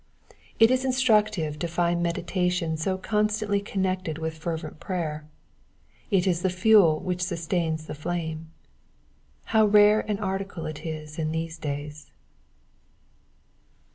It is instructive to find meditation so con stantly connected with fervent prayer : it is the fuel which feustuins the flame. How rare an article is it in these days.